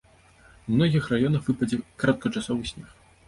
У многіх раёнах выпадзе кароткачасовы снег.